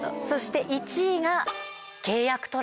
そして１位が。